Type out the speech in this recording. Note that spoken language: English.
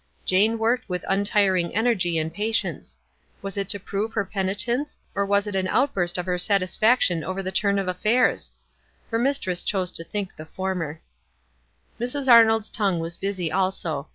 Jane worked with untiring energy and patience. Was it to prove her penitence, or was it an out burst of her satisfaction over the turn of affairs ? Her mistress chose to think the former. Mrs. Arnold's tongue was busy also.